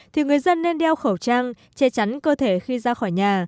thì người dân nên đeo khẩu trang che chắn cơ thể khi ra khỏi nhà